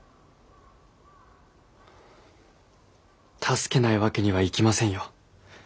助けないわけにはいきませんよ。